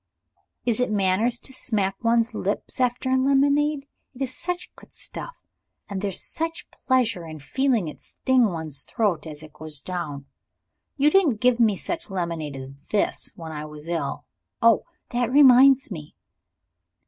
Is it manners to smack one's lips after lemonade? it is such good stuff, and there's such pleasure in feeling it sting one's throat as it goes down. You didn't give me such lemonade as this, when I was ill Oh! that reminds me."